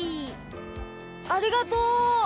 ありがとう！